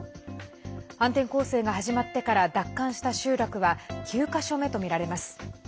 反転攻勢が始まってから奪還した集落は９か所目とみられます。